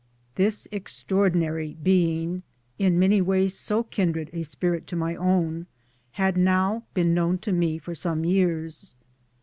This extraordinary being, in many ways so kindred a spirit to my own, had now been known to me for some years.